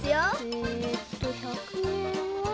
えっと１００えんは。